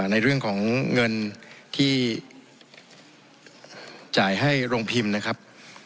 ในเรื่องของเงินที่จ่ายให้โรงพิมพ์นะครับ